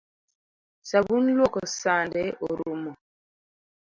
Sabun luoko sande orumo